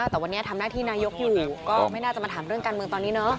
แต่วันนี้ทำหน้าที่นายกอยู่ก็ไม่น่าจะมาถามเรื่องการเมืองตอนนี้เนาะ